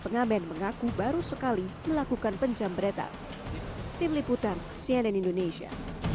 pengamen mengaku baru sekali melakukan penjambretan tim liputan cnn indonesia